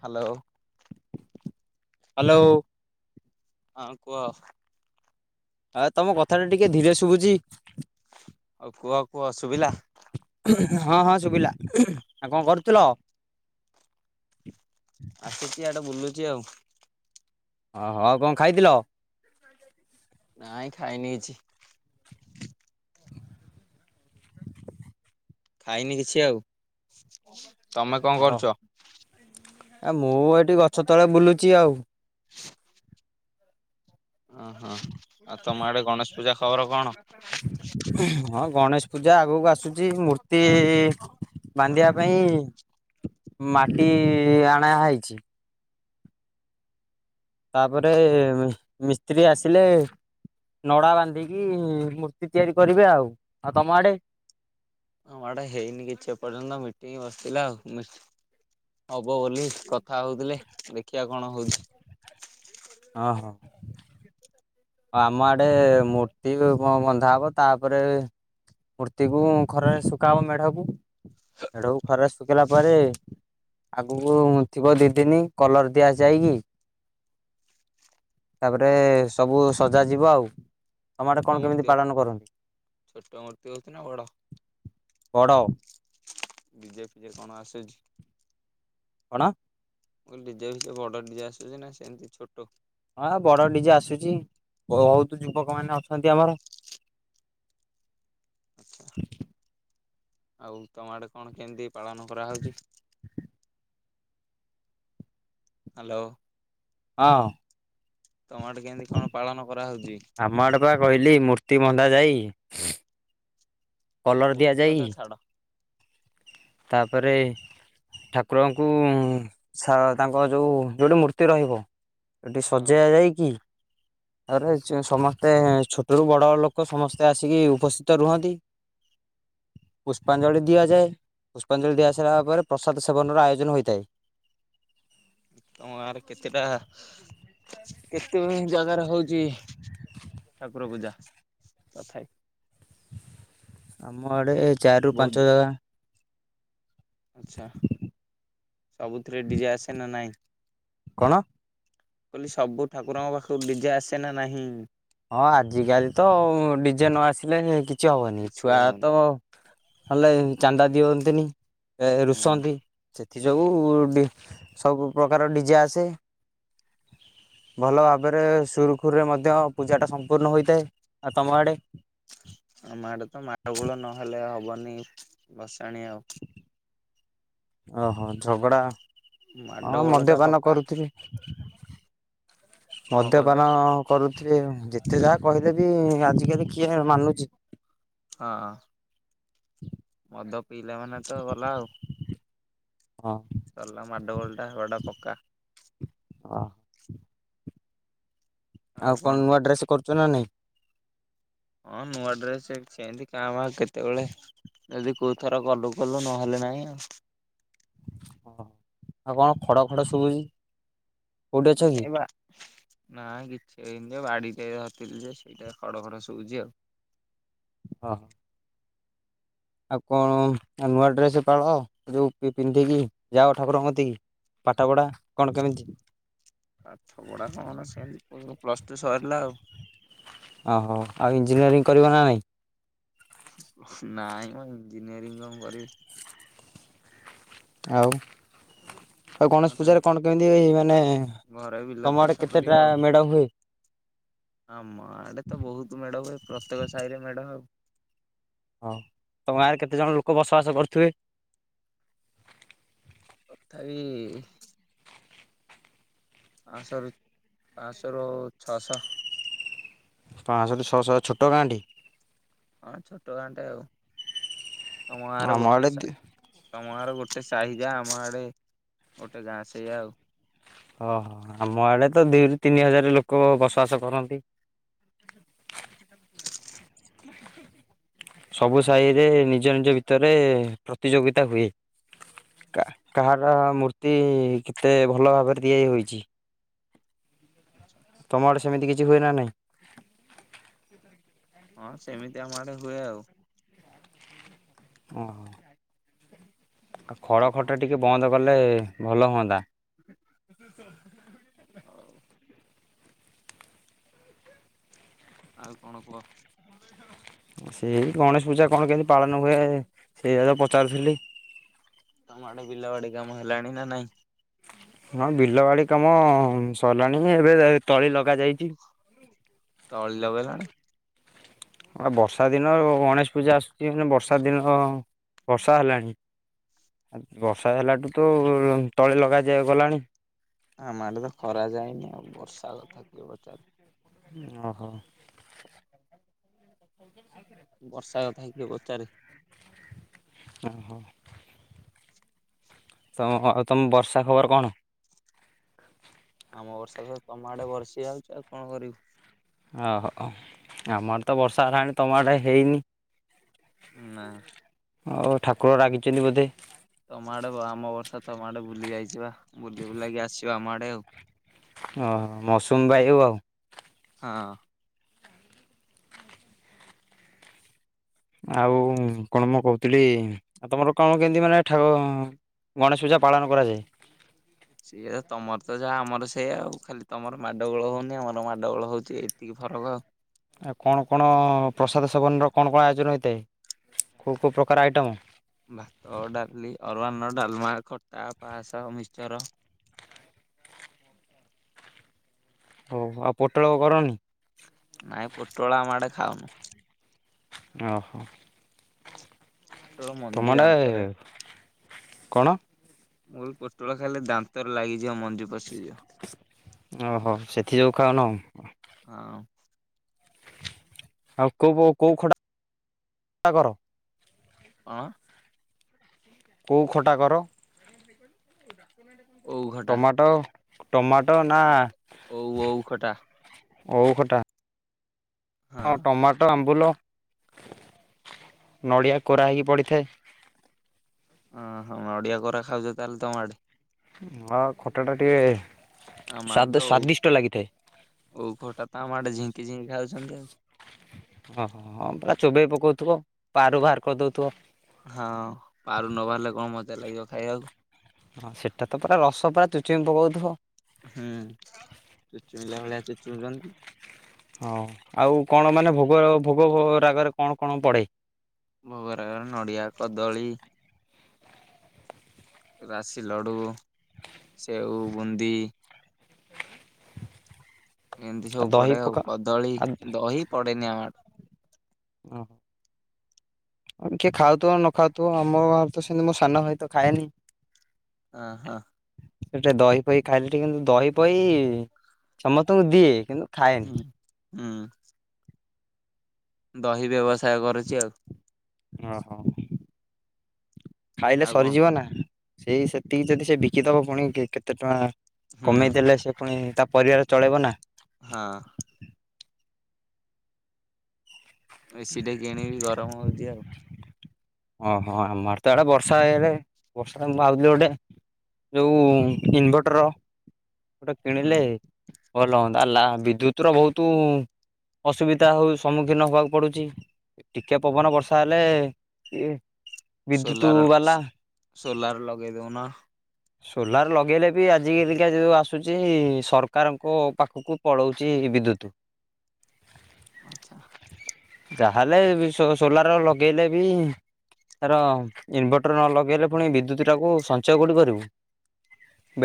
Hello. Hello. ହଁ କୁହ। ଆଉ ତମ କଥା ଟା ଟିକେ ଧୀରେ ଶୁଭୁଛିି। ଆଉ କୁହ କୁହ ଶୁଭିଲା। ହଁ ହଁ ଶୁଭିଲା ଆଉ କଣ କରୁଥିଲ? ଆସୁଛି ଆଡେ ବୁଲୁଛି ଆଉ। ଓ ହୋଉ କଣ ଖାଇଥିଲ? ନାଇଁ ଖାଇନି କିଛି। ଖାଇନି କିଛି ଆଉ। ତମେ କଣ କରୁଛ? ଏ ମୁଁ ଏଇଠି ଗଛ ତଳେ ବୁଲୁଛି ଆଉ। ଓହୋ ଆଉ ତମ ଆଡେ ଗଣେଶ ପୂଜା ଖବର କଣ? ହଁ ଗଣେଶ ପୂଜା ଆଗକୁ ଆସୁଛି ମୂର୍ତ୍ତି। ବାନ୍ଧିବା ପାଇଁ ମାଟି ଆଣା ହେଇଛି। ତାପରେ ମିସ୍ତ୍ରୀ ଆସିଲେ ନଡ଼ା ବାନ୍ଧିକି ମୂର୍ତ୍ତି ତିଆରି କରିବେ ଆଉ ଆଉ ତମ ଆଡ଼େ? ହ ମାଡେ ହେଇନି କିଛି ଏ ପର୍ଯ୍ୟନ୍ତ ମିଟିଂ ବସିଲା ଆଉ ହବ ବୋଲି କଥା ହଉଥିଲେ ଦେଖିବା କଣ ହଉଛି। ଅ ହଁ। ଆମ ଆଡେ ମୂର୍ତ୍ତି ବ ବନ୍ଧା ହବ ତାପରେ ମୂର୍ତ୍ତିକୁ ଖରାରେ ଶୁଖାବ ମେଢକୁ ମେଢକୁ ଖରାରେ ଶୁଖିଲା ପରେ ଆଗକୁ ଥିବ ଦି ଦିନ କଲର ଦିଆସିଯାଇକି ତାପରେ ହଁ ସବୁ। ସଜାଯିବ ଆଉ ତମ ଆଡେ କଣ ଛୋଟ କେମିତି ମୂର୍ତ୍ତି ପାଳନ କରନ୍ତି? ଛୋଟ ମୂର୍ତ୍ତି ହଉଛି ନା ବଡ ବଡ ବିଜେପିରେ କଣ ଆସୁଛି। କଣ? ମୁଁ ଡିଜେ ଫିଜେ ବଡ ଡିଜେ ଆସୁଛି ନା ସେମିତି ଛୋଟ। ହଁ ବଡ ଡିଜେ ଆସୁଛି ବହୁତ ଯୁବକ ମାନେ ଅଛନ୍ତି ଆମର। ଆଚ୍ଛା ଆଉ ତମ ଆଡ଼େ କଣ କେମିତି? ପାଳନ କରାହେଉଛି। ହାଲୋ। ହଁ। ତମ ଆଡ଼େ କେମିତି କଣ ପାଳନ କରାହୋଉଛି। ତି ମଧା ଯାଇ କଲର ମୂର୍ତ୍ତି ଦିଆଯାଇ କଥା ଛାଡ ତାପରେ ଠାକୁରଙ୍କୁ ସା ତାଙ୍କର ଯୋଉ ଯୋଉଁଠି ମୂର୍ତ୍ତି ରହିବ। ଏଠି ହଁ ସଜା ଯାଇକି ଆରେ ସମସ୍ତେ ଛୋଟରୁୁ ବଡ ଲୋକ ସମସ୍ତେ ଆସିକି ଉପସ୍ଥିତ ରୁହନ୍ତି ପୁଷ୍ପାଞ୍ଜଳି ଦିଆଯାଏ। ପୁଷ୍ପାଞ୍ଜଳି ଦିଆସାରିଲା ପରେ ପ୍ରସାଦ ସେବନର ଆୟୋଜନ ହୋଇଥାଏ। ତମ ଗାଁରେ କେତେଟା କେତେ ଜାଗାରେ ହଉଛି। ଯେ ଠାକୁର ପୂଜା ତ ଖାଇ ଆମ ଆଡ଼େ ଚାରିରୁ ପାଞ୍ଚ ଜାଗା ଆଚ୍ଛା। ସବୁଥିରେ ଡିଜେ ଆସେ ନା ନାଇଁ? କଣ? କହିଲି ସବୁ ଠାକୁରଙ୍କ ପାଖକୁ ଡି ଜେ ଆସେ ନା ନାହିଁ? ହଁ ଆଜିକାଲି ତ ଡିଜେ ନ ଆସିଲେ କିଛି ହବନି କିଛି ଛୁଆ ହଉନି ତ ହେଲେ ଚାନ୍ଦା ଦିଅନ୍ତିନି। ଏ ହୁଁ ରୁଷନ୍ତି ଏଥି ଯୋଗୁ ଡି ସବୁ ପ୍ରକାର ଡି ଡିଜେ ଆସେ ଭଲ ଭାବରେ ସୁରୁଖୁରୁରେ ମଧ୍ୟ ପୂଜାଟା ସମ୍ପୂର୍ଣ୍ଣ ହୋଇଥାଏ ଆଉ ତମ ଆଡ଼େ। ନି ବସାଣି ଆଉ। ଓହୋ ଝଗଡ଼ା। ହଁ ମାଡଗୋଳ ଟା ମଦ୍ୟପାନ ପକ୍କା କରୁଥିଲି। କଣ କହୁଛ ମଦ୍ୟପାନ କରୁଥିବେ। ତେ ଯାହା କହିଲେ ବି ଆଜିକାଲି କିଏ ମାନୁଛି। ହଁ ମଦ ପିଇଲା ମାନେ ତ ଗଲା ଆଉ। ହଁ ସରିଲା ମାଡ଼ ଗୋଲଟା ହେବାଟା ପକ୍କା। ହଁ। ଆଉ କଣ ନୂଆ ଡ୍ରେସ କରୁ ଚୁ ନା ନାଇଁ ହଁ ନୂଆ ଡ୍ରେସ ସେମତି କାଁ ଭାଁ ଆଉ କେତେବେଳେ ଯଦି କଉଥର ଗଲୁ କଲୁ ନହେଲେ ନାହିଁ ଆଉ। ଓ ଆଉ କଣ ଖଡ ଖଡ ସବୁଚି। ଏ ବା ନା କିଛି ହେଇନି ଯେ ବାଡିଟେ ଧରିଥିଲି ଯେ ସେଇଟା ଖଡ ଖଡ ଶୁବୁଚି ଆଉ। ଅହ ଆଉ କଣ ଆଉ ନୂଆ ଡ୍ରେସ ପାଳ ଯୋଉ ପିନ୍ଧିକି ଯାଅ ଠାକୁରଙ୍କ କତିକି। ପାଠପଢ଼ା କଣ କେମିତି ପାଠ ପଢା କଣ ସେମତି ପ୍ଲସ ଟୁ ସରିଲା ଆଉ ଓହୋ ଆଉ ଇଞ୍ଜିନିୟରିଂ କରିବ ନା ନାଇଁ। ନାଇଁ ମଁ ଇଞ୍ଜିନିୟରିଂ କଣ କରିବି। [inaudible] ଆଉ ଆଉ ଗଣେଶ ପୂଜାରେ କଣ କେମିତି ମାନେ [inaudible] ଘରେ ବିଲ ତମ ଆଡେ ଚାଷ କେତେଟା କରିବା ଆଉ। ମେଢ ହୁଏ? [inaudible] ଆମ ଆଡେ ତ ବହୁତ ମେଢ ହୁଏ। ପ୍ରତ୍ୟେକ ସାହିରେ ମେଢ ଆଉ ହଁ ତମ ଗାଁରେ କେତେ ଜଣ ଲୋକ ବସବାସ କରୁଥିବେ। [inaudible] ଇ ପାଞ୍ଚଶରୁ ପାଞ୍ଚଶରୁ ଛଅଶହ ପାଞ୍ଚଶହରୁୁ ଛଅଶହ ଛୋଟ ଗାଁଟି ହଁ ଛୋଟ ଗାଁଟେ ଆଉ [inaudible] ଗୋଟିଏ ସା ଆମଆଡ଼େ ତମ ଆର ଗୋଟେ ସାହିଯାହା ଆମ ଆଡେ ଗୋଟେ ଗାଁ ସେଇଆ ଆଉ। ଓହୋ ଆମ ଆଡେ ତ ଦିରୁ ତିନି ହଜାର ଲୋକ ବସବାସ କରନ୍ତି। [unintelligible] ସବୁ ଆଉ ସାହି ରେ ନି ନିଜ ନିଜ ଭିତରେ ପ୍ରତିଯୋଗିତା ହୁଏ। [inaudible] କାହାର ମୂର୍ତ୍ତି କେତେ ଭଲ ଭାବରେ ତିଆରି ହୋଇଚି। ତମ ଆଡେ ସେମିତି କିଛି ହୁଏ ନା ନାଇଁ। [inaudible] ହଁ ସେମିତି ଆମ ଆ ହୁଏ ଆଉ। ଓହ [inaudible] ଆଉ ଖଡ ଖଟ ଟା ଟିକେ ବନ୍ଦ କଲେ ଭଲ ହୁଅନ୍ତା। [inaudible] ଆଉ ଆଉ କଣ କୁହ। ସେଇ ଗଣେଶ ପୂଜା କଣ କେମତି ପାଳନ ହୁଏ। ସେଇଆ ତ ପଚାରୁଥିଲି। ତମ ଆଡେ ବିଲ ବାଡି କାମ ହେଲାଣି ନା ନାଇଁ। ହଁ ବିଲ ବାଡି କାମ ସରିଲାଣି ଏବେ ତଳି ଲଗା ଯାଇଚି। ତଳି ଲଗେଇଲଣି। ବର୍ଷା ଦିନ ଗଣେଶ ପୂଜା ଆସୁଛି। ମାନେ ବର୍ଷା ଦିନ ବର୍ଷା ହେଲାଣି ବର୍ଷା ହେଲାଠୁ ତ ତଳେ ଲଗାଯାଇ ଗଲାଣି ଆମ ଆଡେ ତ ଖରା ଯାଇନି ଆଉ ବର୍ଷା କଥା କିଏ ପଚାରୁଚି। ଓହୋ [unintelligible] ବର୍ଷା କଥା କିଏ ପଚାରେ। [inaudible] ଓ ହୋ। ତୋମ ଅ, ଆଉ ତୋମ ବର୍ଷା ଖବର କଣ? ଆମ ବର୍ଷା ତ ତୋମ ଆଡେ ବର୍ଷି ଯାଉଚି ଆଉ କଣ କରିବୁ। ଓହୋ ଆମର ତ ବର୍ଷା ହେଲାଣି ତୋମ ଆଡେ ହେଇନି। ନା। ଓ ଠାକୁର ରାଗିଚନ୍ତି ବୋଧେ। ତୋମ ଆଡେ ବ-ଆମ ବର୍ଷ ତୋମ ଆଡେ ବୁଲି ଯାଇଚି ବା ବୁଲି ବୁଲାକି ଆସିବା ଆମ ଆଡେ ଆଉ। ଓ ମୌସୁମି ବାୟୁ ଆଉ। ହଁ। ଆଉ କଣ ମୁଁ କହୁଥିଲି ଆଉ ତୋମର କଣ କେମିତି ମାନେ ଠାକ ଗଣେଶ ପୂଜା ପାଳନ କରାଯାଏ? ସେୟା ତୋମର ତ ଯାହା ଆମର ସେ ସେୟା ଆଉ ଖାଲି ତୋମର ମାଡ ଗୋଳ ହଉନି ଆମର ମାଡ ଗୋଳ ହଉଚି ଏତିକି ଫରକ ଆଉ। ଆଉ କଣ କଣ ପ୍ରସାଦ ସେବନର କଣ କଣ ଆୟୋଜନ ହେଇଥାଏ? କୋଉ କୋଉ ପ୍ରକାର ଆଇଟମ୍? ଭାତ, ଡାଲି, ଅରୁଆ ଅର୍ଣ୍ଣ, ଡାଲମା, ଖଟା, ପାସ, ମିିସ୍ଚର। ହଉ ଆଉ ପୋଟଳ କରନି। ନାଇଁ ପୋଟଳ ଆମ ମାଡେ ଖାଉନୁ। ଓ ହୋ। ପୋଟଳ ମଞ୍ଜି ତୋମ ଣ୍ଡେ ଦାନ୍ତରେ କଣ? ମୁଁ କହିଲି ପୋଟଳ ଖାଇଲେ ଦାନ୍ତରେ ଲାଗିଯିବ ମଞ୍ଜି ପଶିଯିବ। ଓହୋ ସେଥି ଯୋଗୁ ଖାାଉ ନାହୁଁ। ହଁ। ଆଉ କୋଉ କୋଉ କୋଉ ଖଟା କର? କଣ? କୋଉ ଖଟା କର? ଓଉ ଖଟା ଟମାଟୋ। ଟମାଟୋ ନା ଓଉ ଓଉ ଖଟା। ଓଉ ଖଟା। ହଁ ଟମାଟୋ ଆମ୍ବୁଲ ନଡ଼ିଆ କୋରା ହେଇକି ପଡ଼ିଥାଏ। ଓ ହଁ ନଡ଼ିଆ କୋରା ଖାଉଚ ତାହେଲେ ତୋମ ଆଡେ। ହଁ ଖଟା ଟା ଟିକେ ଆମ ଆଡେ ତ ସ୍ବାଦ ଓଉ ସ୍ୱାଦିଷ୍ଟ ଲାଗିଥାଏ। କିଚିଂ ଖାଉଛନ୍ତି ଆଉ। ହଁ, ହଁ, ହଁ ପୁରା ଚୋବେଇ ପକଉଥୁବ, ପାରୁ ବାହାର କରିଦଉଥୁବ। ହଁ ପାରୁ ନ ବାହାରିଲେ କଣ ମଜା ଲାଗିବ। ଖାଇବାକୁ। ହଁ ସେଟା ତ ପୁରା ରସ ପୁରା ଚୁଚୁମି ପକଉଥୁବ। ହୁଁ ଚୁଚୁମିଲା ଭଳିଆ ଚୁଚୁମୁ ଚନ୍ତି। ହଁ ଆଉ କଣ ମାନେ ଭୁଗ ଭୁଗ ରାଗରେ ମାନେ କଣ କଣ ପଡେ? ଭୋଗ ରାଗରେ ନଡ଼ିଆ, କଦଳୀ ରାଶି ଲଡୁ ସେଉ ବୁନ୍ଦି ଏନ୍ତି ସବୁ ଦହି ପଡ଼େ ଆଉ ପକା କଦଳୀ ଆଉ ଦହି ପଡେନି ଆମ ଆ ହଁ। ଅ କିଏ ଖାଉଥୁବ ନ ଖାଉଥୁବ ଆନବା ତ ସେମିତି ମୋ ସାନ ଭାଇ ତ ଖାଏନି। ଅ ହଁ। ଏ ଟିକେ ଦହି ପହି ଖାଇଲେ ଟିକେ ଦହି ପହି ସମସ୍ତଙ୍କୁ ଦିଏ କିନ୍ତୁ ହୁଁ ଖାଏନି। ହୁଁ। ଦହି ବ୍ୟବସାୟ କରୁଚି ଆଉ। ଓ ହୋ। ଖାଇଲେ ଆଉ କଣ ସରିଯିବ ନାଁ। ସେଇ ସେତିକି ଯଦି ସେ ବିକିଦବ ପୁଣି କେ କେତେ ଟଙ୍କା ହୁଁ କମେଇ ଦେଲେ ସେ ପୁଣି ତା ପରିବାର ଚଳେଇବ ନାଁ। ହଁ। ଏ ସି ଟେ କିଣିବି ଗରମ ହୋଉଚି ଆଉ। ଅହୋ ଆମ ଆଡେ ତ ଆଡେ ବର୍ଷା ଏଆଡେ ବର୍ଷା ମୁଁ ଭାବୁଥିଲି ଗୋଟେ ଯୋଉ ଇନଭଟର ଗୋଟେ କିଣିଲେ ହୁଁ। ଭଲ ହୁଅନ୍ତା ଆ ଲା ବିଦ୍ୟୁତର ବୋହୁତ ଅସୁବିଧା ହଉ ସମ୍ମୁଖୀନ ହବାକୁ ପଡୁଚି ଟିକେ ପବନ ବର୍ଷା ହେଲେ କିଏ ସୋଲାର ସ୍ ସୋଲାର ଲଗେଇ ଦୋଉନ ସୋଲାର ଲଗେଇଲେ ବି ଆଜିିକାଲି କା ଯୋଉ ଆସୁଚି ସରକାରଙ୍କ ପାଖୁକୁ ପଳଉଚି ବିଦ୍ୟୁତ। ଆଚ୍ଛା। ଯାହା ହେଲେ ବି ସୋ ସୋଲାର ଲଗେଇଲେ ବି ହେର ଇନଭଟର ନ ଲଗେଇଲେ ପୁଣି ବିଦ୍ୟୁତଟାକୁ ସଞ୍ଚୟ କୋଉଠି କରିବୁ?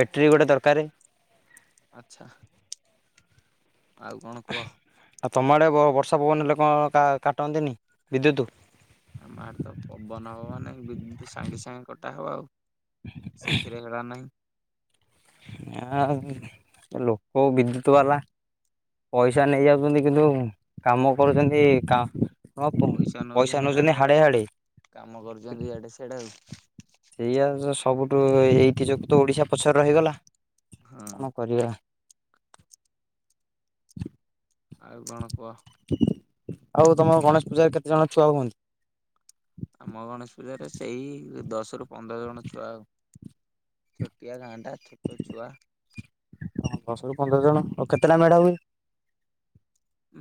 ବେଟରୀ ଗୋଟେ ଦରକାରେ। ଆଚ୍ଛା। ଆଉ କଣ କୁହ। ଆଉ ତମ ଆଡ଼େ ବ ବର୍ଷା ପବନ ହେଲେ କଁ କା କାଟନ୍ତିନି ବିଦ୍ୟୁତ? ଆମ ଆଡ଼େ ତ ପବନ ହବ ମାନେ ବିଦ୍ୟୁତ ସାଙ୍ଗେ ସାଙ୍ଗେ କଟା ହବ ଆଉ। ସେଥିରେ ହେଳା ନାହିଁ। [unintelligible] ଆଉ ଏ ଲୋକ ବିଦ୍ୟୁତ ବାଲା ପଇସା ନେଇ ଯାଉଚନ୍ତି କିନ୍ତୁ କାମ କରୁଚନ୍ତି କା ହଁ ପଇସା ନୋଉଛନ୍ତି ନଉଛନ୍ତି ହାଡେ ହାଡେ ହାଡ଼େ ହାଡ଼େ କାମ କରୁଚନ୍ତି ଇଆଡ଼େ ସିଆଡେ ଆଉ। ସେଇଆ ସବୁଠୁ ଏ ଏଇକି ଯୋଗୁ ତ ଓଡ଼ିଶା ପଛରେ ରହିଗଲା। ହଁ କଣ କରିବା? ଆଉ କଣ କୁହ। ଆଉ ତମ ଗଣେଶ ପୂଜାରେ କେତେ ଜଣ ଛୁଆ ହୁଅନ୍ତି। ଆମ ଗଣେଶ ପୂଜାରେ ସେଇ ଦଶରୁୁ ପନ୍ଦର ଜଣ ଛୁଆ ଛୋଟିଆ ଗାଁଟା ଛୋଟ ଛୁଆ [inaudible] ଦଶରୁୁ ପନ୍ଦର ଜଣ ଆଉ କେତେ କେଲା ମେଢ଼ା ହୁଏ।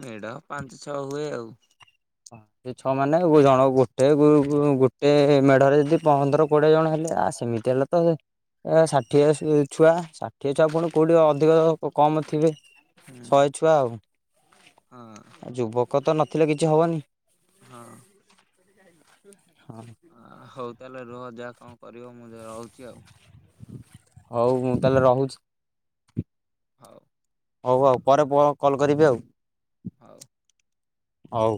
ମେଢ ପାଞ୍ଚ ଛଅ ହୁଏ ଆଉ। ହଁ ପାଞ୍ଚ ଛଅ ମାନେ ଜଣ ଗୋଟେ ଗୁ-ଗୁ ଗୋଟେ ମେଢ଼ରେ ଯଦି ପନ୍ଦର କୋଡ଼ିଏ ଜଣ ହେଲେ ଆ ସେମିତି ହେଲେ ତ ଷାଠିଏ ଛୁଆ ଷାଠିଏ ଛୁଆ ପୁଣି କୋଉଠି ଅଧିକ କମ୍ ଥିବେ। ହୁଁ ଶହେ ଛୁଆ ହଁ ଆଉ ଯୁବକ ତ ନଥିଲେ କିଛି ହବନି। ହଁ [inaudible] ଆ ହଉ ହଁ ତାହେଲେ ରୁହ ଯାହା କଣ କରିବ ମୁଁ ଯ ରହୁଛି ଆଉ। ହଉ ମୁଁ ତାହେଲେ ରହୁଛି। ହଉ। ହଉ ଆଉ ପରେ ବ କଲ୍ କରିବି ଆଉ। ହଉ। ହଉ।